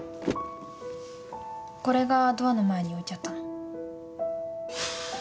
これがドアの前に置いてあったの。